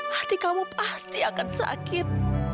hati kamu pasti akan sakit